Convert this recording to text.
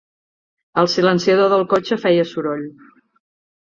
El silenciador del cotxe feia soroll.